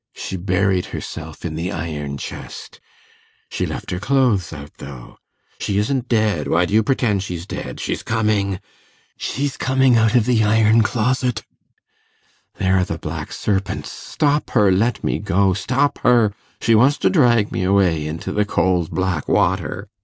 She buried herself in the iron chest ... she left her clothes out, though ... she isn't dead ... why do you pretend she's dead? ... she's coming ... she's coming out of the iron closet ... there are the black serpents ... stop her ... let me go ... stop her ... she wants to drag me away into the cold black water